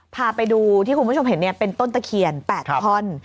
พาไปดูที่คุณผู้ชมเห็นเป็นต้นตะเคียน๘ท่อน